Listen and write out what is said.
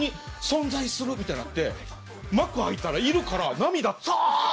みたいになって幕開いたらいるから。